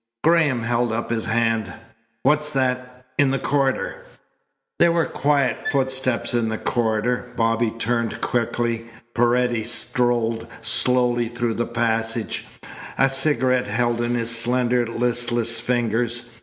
Graham held up his hand. "What's that? In the corridor!" There were quiet footsteps in the corridor. Bobby turned quickly, Paredes strolled slowly through the passage, a cigarette held in his slender, listless fingers.